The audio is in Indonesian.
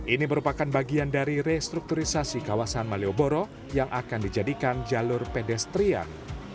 ini merupakan bagian dari restrukturisasi kawasan malioboro yang akan dijadikan jalur pedestrian